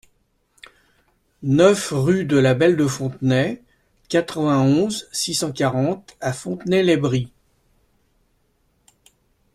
neuf rue de la Belle de Fontenay, quatre-vingt-onze, six cent quarante à Fontenay-lès-Briis